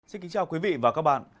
xin kính chào quý vị và các bạn